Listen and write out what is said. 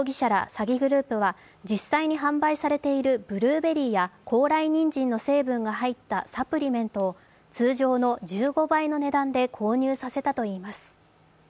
詐欺グループは実際に販売されているブルーベリーや高麗人参の成分が入ったサプリメントを通常の１５倍の値段で購入させたといいます。